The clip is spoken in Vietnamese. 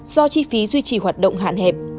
do chi phí duy trì hoạt động hạn hẹp